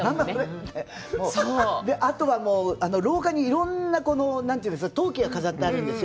あとは廊下にいろんな陶器が飾ってあるんです